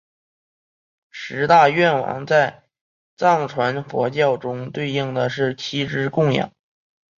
十大愿王在藏传佛教中对应的是七支供养。